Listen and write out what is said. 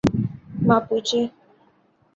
Mapuche